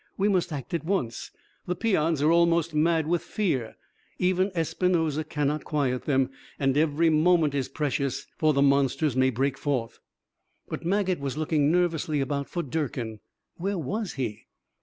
"We must act at once. The peons are almost mad with fear. Even Espinosa cannot quiet them. And every moment is precious, for the monsters may break forth." But Maget was looking nervously about for Durkin. Where was he?